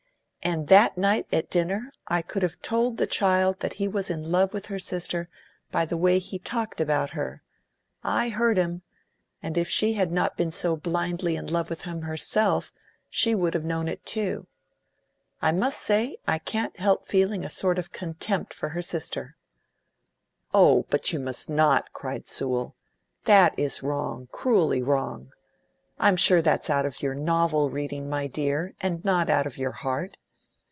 "And that night at dinner I could have told the child that he was in love with her sister by the way he talked about her; I heard him; and if she had not been so blindly in love with him herself, she would have known it too. I must say, I can't help feeling a sort of contempt for her sister." "Oh, but you must not!" cried Sewell. "That is wrong, cruelly wrong. I'm sure that's out of your novel reading, my dear, and not out of your heart.